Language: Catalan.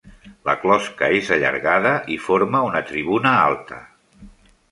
La closca és allargada i forma una tribuna alta.